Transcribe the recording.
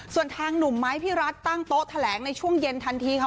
ส่วนทางหนุ่มไม้พี่รัฐตั้งโต๊ะแถลงในช่วงเย็นทันทีค่ะ